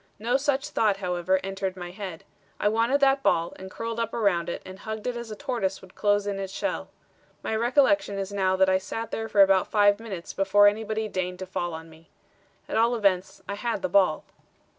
No such thought, however, entered my head. I wanted that ball and curled up around it and hugged it as a tortoise would close in its shell. My recollection is now that I sat there for about five minutes before anybody deigned to fall on me. At all events, I had the ball.